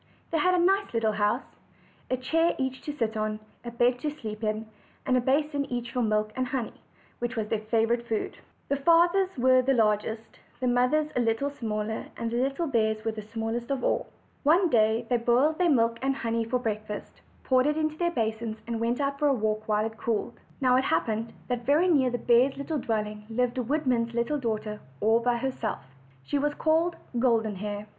They had a nice little house; a chair each to sit on, a bed to sleep in, and a basin each for milk and honey, which was their favorite food. The father's were the largest, the mother's were'a little smaller, the little bear's were the smallest of all. & o P. CD B B' 5 I tr s CO p fc 8 1 V) W CD to g 3' .8 OLD, OLD FAIRY TALES. One day they boiled their milk and honey for break fast, poured it into their basins, and went out for a walk while it cooled. Now it happened that very near the bears' dwelling lived a woodman's little daughter, all by herself. She was called Golden Hair.